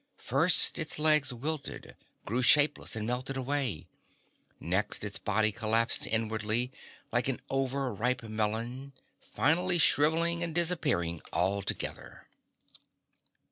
First its legs wilted, grew shapeless and melted away. Next its body collapsed inwardly, like an over ripe melon, finally shriveling and disappearing altogether.